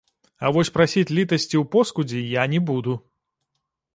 А вось прасіць літасці ў поскудзі я не буду.